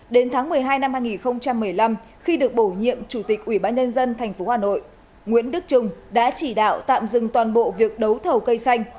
đến tháng một mươi hai năm hai nghìn một mươi năm khi được bổ nhiệm chủ tịch ubnd tp hà nội nguyễn đức trung đã chỉ đạo tạm dừng toàn bộ việc đấu thầu cây xanh